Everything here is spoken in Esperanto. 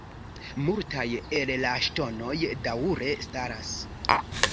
Multaj el la ŝtonoj daŭre staras.